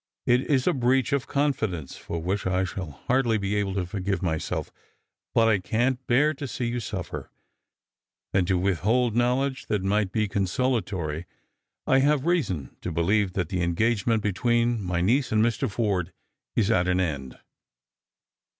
" It is a breach of confidence for which I shall hardly be able to forgive myself, but I can't bear to see you suffer, and to withhold knowledge that might be consolatory. I have reason to believe that the engagement between my nieca and Mr. Forde is at an end."